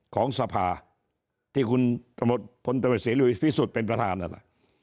ของสภาที่คุณสมุทรพศิริวิวิทย์พิสุทธิ์เป็นประธานนั่นแหละ